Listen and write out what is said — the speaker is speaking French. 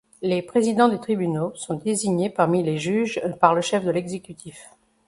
Les présidents des tribunaux sont désignés parmi les juges par le chef de l'exécutif.